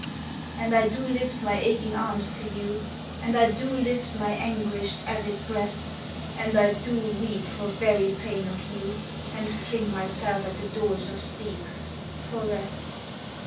And I do lift my aching arms to you, And I do lift my anguished, avid breast, And I do weep for very pain of you, And fling myself at the doors of sleep, for rest.